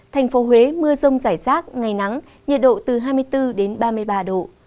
thành phố huế mưa rông rải rác ngày nắng nhiệt độ từ hai mươi bốn đến ba mươi ba độ